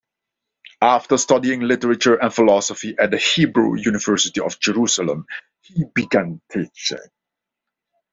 After studying literature and philosophy at the Hebrew University of Jerusalem, he began teaching.